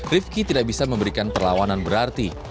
rifki tidak bisa memberikan perlawanan berarti